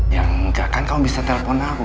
yang enggak kan kamu bisa telepon aku